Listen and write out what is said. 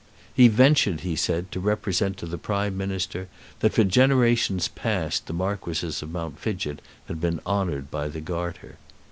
He ventured, he said, to represent to the Prime Minister that for generations past the Marquises of Mount Fidgett had been honoured by the Garter.